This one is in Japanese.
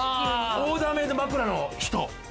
オーダーメイド枕の人！